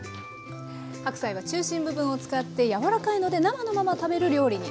白菜は中心部分を使って柔らかいので生のまま食べる料理に向いています。